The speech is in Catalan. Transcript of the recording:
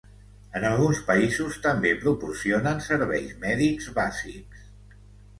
En alguns països també proporcionen serveis mèdics bàsics.